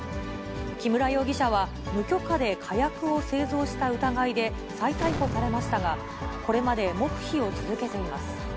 木村容疑者は、無許可で火薬を製造した疑いで再逮捕されましたが、これまで黙秘を続けています。